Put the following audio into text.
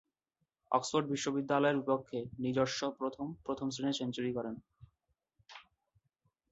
Oxford বিশ্ববিদ্যালয়ের বিপক্ষে নিজস্ব প্রথম প্রথম-শ্রেণীর সেঞ্চুরি করেন।